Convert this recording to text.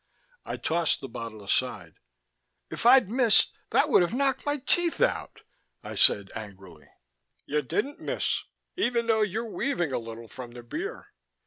I tossed the bottle aside. "If I'd missed, that would have knocked my teeth out," I said angrily. "You didn't miss even though you're weaving a little from the beer.